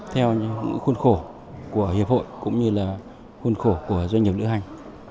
theo những khuôn khổ của hiệp hội cũng như là khuôn khổ của doanh nghiệp lữ hành